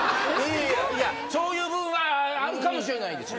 いやそういう部分はあるかもしれないです。